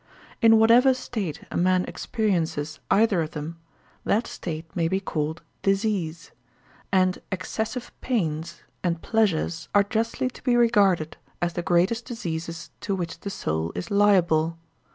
In whatever state a man experiences either of them, that state may be called disease; and excessive pains and pleasures are justly to be regarded as the greatest diseases to which the soul is liable.